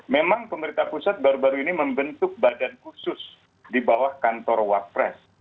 memang pemerintah pusat baru baru ini membentuk badan khusus di bawah kantor wapres